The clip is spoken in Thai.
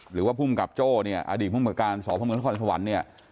หรือว่าภูมิกับโจ้เนี่ยอดีตภูมิกับการสพมนครสวรรค์เนี่ย